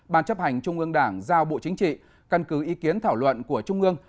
ban chấp hành trung ương đảng giao bộ chính trị căn cứ ý kiến thảo luận của trung ương